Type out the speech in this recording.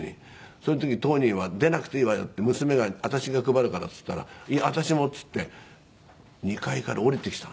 その時当人は「出なくていいわよ」って娘が「私が配るから」って言ったら「私も」って言って２階から下りてきた。